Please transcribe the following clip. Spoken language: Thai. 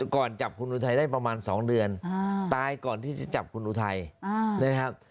ก่อนจับคุณอุทัยได้ประมาณ๒เดือนตายก่อนที่จะจับคุณอุทัยนะครับ